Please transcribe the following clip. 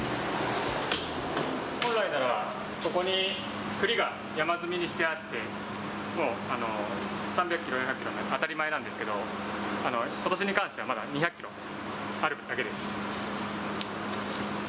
本来ならここに栗が山積みにしてあって、もう３００キロ、４００キロ、当たり前なんですけど、ことしに関しては、まだ２００キロあるだけです。